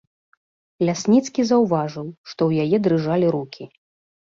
Лясніцкі заўважыў, што ў яе дрыжалі рукі.